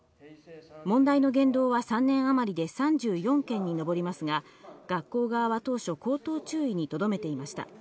問題の言動は３年あまりで３４件に上りますが、学校側は当初、口頭注意にとどめていました。